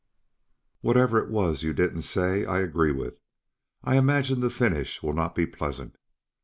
"Whatever it was you didn't say, I agree with. I imagine the finish will not be pleasant."